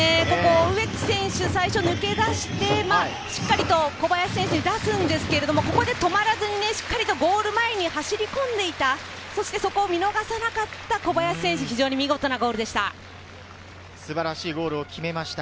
植木選手、最初抜け出して、しっかり小林選手に出すんですけれど、止まらずに、しっかりゴール前に走り込んでいた、見逃さなかった小林選手、見事でした。